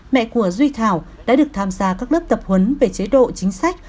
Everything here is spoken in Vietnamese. mẹ của duy thảo đã được tham gia các lớp tập huấn về chế độ chính sách